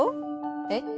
えっ？